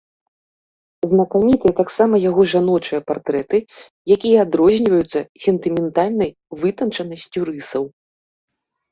Знакамітыя таксама яго жаночыя партрэты, якія адрозніваюцца сентыментальнай вытанчанасцю рысаў.